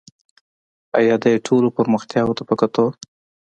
آیا دې ټولو پرمختیاوو ته په کتو